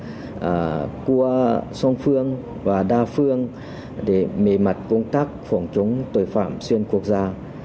và qua song phương và đa phương để bề mặt công tác phòng chống tội phạm xuyên quốc gia